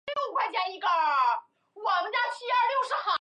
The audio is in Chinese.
孝端文皇后。